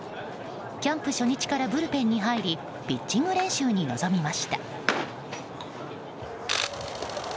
キャンプ初日からブルペンに入りピッチング練習に臨みました。